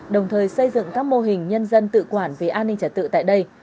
đồng thời xây dựng các mô hình nhân dân tự quản về an ninh trật tự tại đây